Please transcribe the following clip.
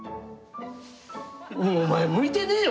お前向いてねえよ